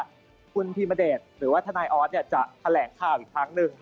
คุณพิมเดชหรือว่าทนายออสจะแถลงข่าวอีกครั้งหนึ่ง